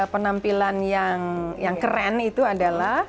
penampilan yang keren itu adalah